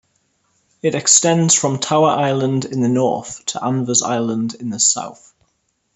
It extends from Tower Island in the north to Anvers Island in the south.